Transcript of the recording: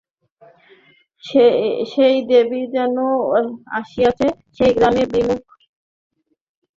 সেই দেবী যেন আসিয়াছেন, সেই গ্রামের বিস্মৃত অধিষ্ঠাত্রী দেবী বিশালাক্ষী।